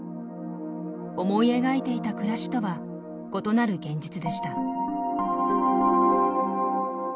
思い描いていた暮らしとは異なる現実でした。